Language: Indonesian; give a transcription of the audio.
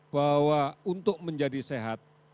bahwa untuk menjadi sehat